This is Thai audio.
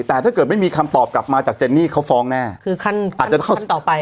แต่ถ้าเกิดไม่มีคำตอบกลับมาจากเจนนี่เขาฟ้องแน่คือขั้นอาจจะต้องต่อไป